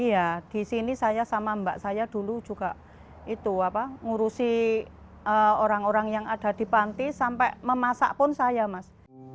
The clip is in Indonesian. iya di sini saya sama mbak saya dulu juga itu ngurusi orang orang yang ada di panti sampai memasak pun saya mas